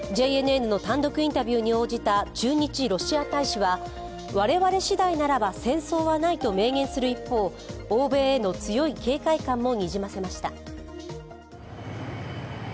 ＪＮＮの単独インタビューに応じた駐日ロシア大使は我々しだいならば戦争はないと明言する一方欧米への強い警戒感もにじませました。